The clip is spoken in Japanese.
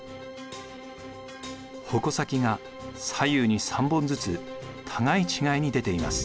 矛先が左右に３本ずつ互い違いに出ています。